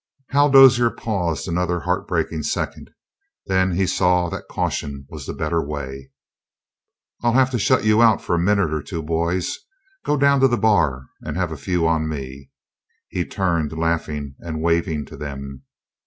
Hal Dozier paused another heartbreaking second, then he saw that caution was the better way. "I'll have to shut you out for a minute or two, boys. Go down to the bar and have a few on me." He turned, laughing and waving to them.